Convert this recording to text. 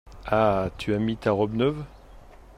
Ah ! tu as mis ta robe neuve ?…